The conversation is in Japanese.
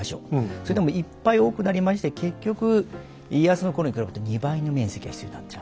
それでもいっぱい多くなりまして結局家康の頃に比べて２倍の面積が必要になっちゃう。